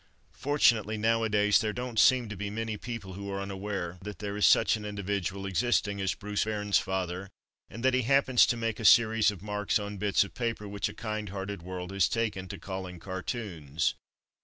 Fortunately nowadays there don't seem to be many people who are unaware that there is such an individual existing as Bruce Bairnsfather, and that he happens to make a series of marks on bits of paper which a kind hearted world has taken to calling cartoons.